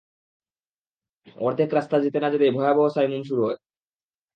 অর্ধেক রাস্তা যেতে না যেতেই ভয়াবহ সাইমুম শুরু হয়।